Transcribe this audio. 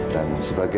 dan semakin berharga